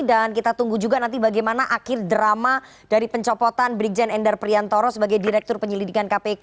dan kita tunggu juga nanti bagaimana akhir drama dari pencopotan brigjen endar priantoro sebagai direktur penyelidikan kpk